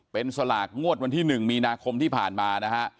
เป็นสลากงวดวันที่๑มีนาคมที่ผ่านมานะฮะ